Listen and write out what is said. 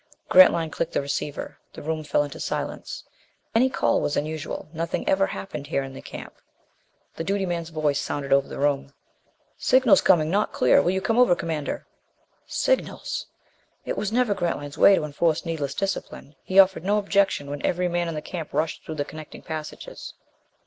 Grantline clicked the receiver. The room fell into silence. Any call was unusual nothing ever happened here in the camp. The duty man's voice sounded over the room. "Signals coming! Not clear. Will you come over, Commander?" Signals! It was never Grantline's way to enforce needless discipline. He offered no objection when every man in the camp rushed through the connecting passages.